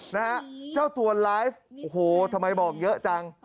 นะฮะเจ้าตัวไลฟ์โอ้โหทำไมบอกเยอะจัง